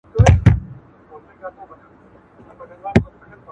لکه د مارکیز او د همینګوی له بؤډا او سیند څخه